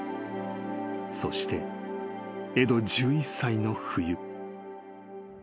［そしてエド１１歳の冬］